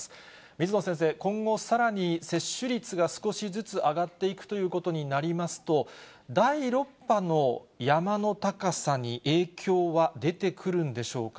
水野先生、今後さらに接種率が少しずつ上がっていくということになりますと、第６波の山の高さに影響は出てくるんでしょうか。